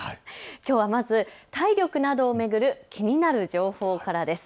きょうはまず体力などを巡る気になる情報からです。